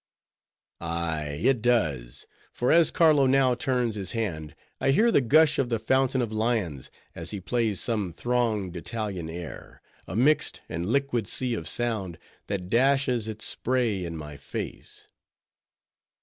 Ay, it does; for as Carlo now turns his hand, I hear the gush of the Fountain of Lions, as he plays some thronged Italian air—a mixed and liquid sea of sound, that dashes its spray in my face.